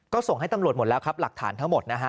ก็ส่งให้ตำรวจหมดแล้วครับหลักฐานทั้งหมดนะฮะ